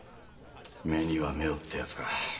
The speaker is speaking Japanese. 「目には目を」ってやつか。